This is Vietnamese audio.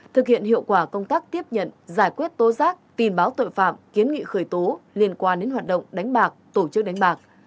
thực hiện hiệu quả công tác tiếp nhận giải quyết tố giác tin báo tội phạm kiến nghị khởi tố liên quan đến hoạt động đánh bạc tổ chức đánh bạc